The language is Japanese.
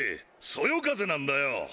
そよ風なんだよ！